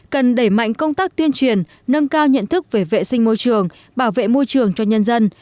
cần đẩy mạnh công tác tuyên truyền nâng cao nhận thức về vệ sinh môi trường bảo vệ môi trường cho nhân dân